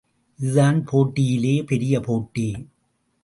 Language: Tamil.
இதுதான் போட்டியிலே பெரிய போட்டி.